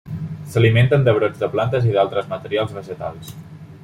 S'alimenten de brots de plantes i d'altres materials vegetals.